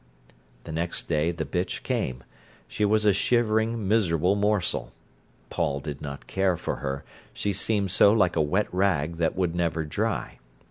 The next day the bitch came. She was a shivering, miserable morsel. Paul did not care for her; she seemed so like a wet rag that would never dry.